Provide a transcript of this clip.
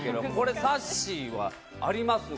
さっしーはありますか？